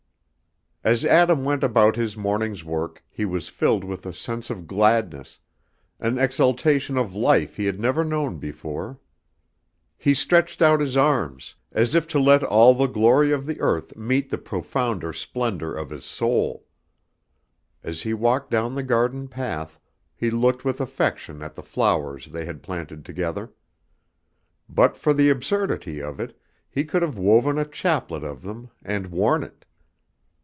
As Adam went about his morning's work he was filled with a sense of gladness, an exaltation of life he had never known before. He stretched out his arms, as if to let all the glory of the earth meet the profounder splendor of his soul. As he walked down the garden path he looked with affection at the flowers they had planted together. But for the absurdity of it, he could have woven a chaplet of them and worn it.